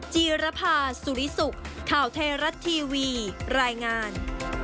จีรภาสุริสุขข่าวไทยรัฐทีวีรายงาน